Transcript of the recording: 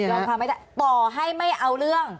รองความไม่ได้ต่อให้ไม่เอาเรื่อง